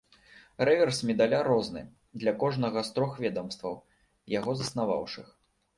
Рэверс медаля розны для кожнага з трох ведамстваў, яго заснаваўшых.